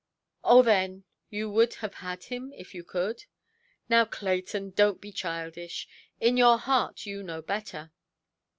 "Oh, then, you would have had him, if you could"? "Now, Clayton, donʼt be childish. In your heart you know better".